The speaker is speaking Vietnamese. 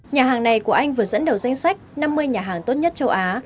nhà hàng này của anh vừa dẫn đầu danh sách năm mươi nhà hàng tốt nhất châu á